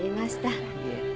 いえ。